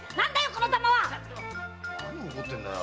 このざまは‼何怒ってんだよ？